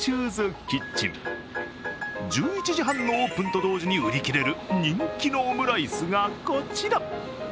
１１時半のオープンと同時に売り切れる人気のオムライスがこちら。